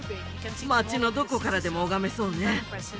街のどこからでも拝めそうね